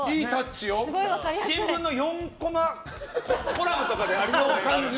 新聞の４コマコラムとかでありそう。